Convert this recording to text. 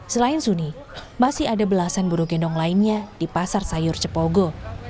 selain suni masih ada belasan buru gendong lainnya di pasar sayur cepogo